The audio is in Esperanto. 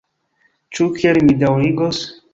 Ĉu kiel mi daŭrigos?..